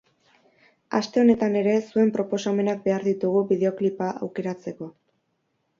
Aste honetan ere zuen proposamenak behar ditugu bideoklipa aukeratzeko.